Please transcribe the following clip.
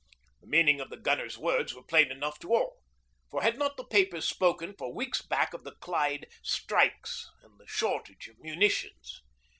The meaning of the gunner's words were plain enough to all, for had not the papers spoken for weeks back of the Clyde strikes and the shortage of munitions?